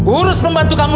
urus pembantu kamu